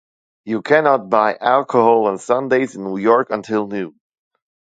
You cannot buy alcohol on Sundays in New York until noon.